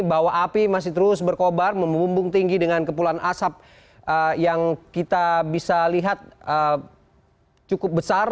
bahwa api masih terus berkobar membumbung tinggi dengan kepulan asap yang kita bisa lihat cukup besar